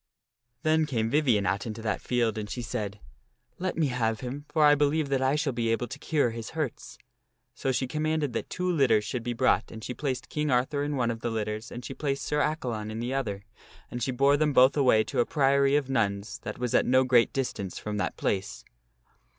Then came Vivien out into that field and she said, " Let me have him, lor I believe that I shall be able to cure his hurts." So she commanded that two litters should be brought and she placed King Arthur in one of the litters and she placed Sir Accalon in the other, and she bore them both away to a priory of nuns that was at no great distance from that place.